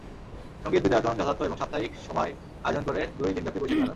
সংগীত বিদ্যায়তন যথার্থ এবং সাপ্তাহিক সময় আয়োজন করে দুই দিনব্যাপী বৈশাখী মেলার।